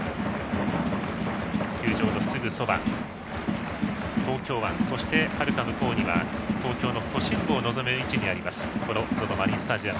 球場のすぐそば、東京湾そして、はるか向こうには東京都心部を望める位置にあります